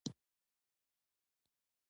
د خاورې د ابدارۍ حالت داخلي اصطکاک تشریح کوي